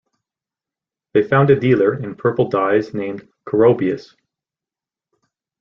They found a dealer in purple dyes named Corobius.